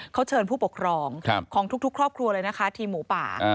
เขาเชิญผู้ปกครองของทุกครอบครัวเลยนะคะทีมหมูป่า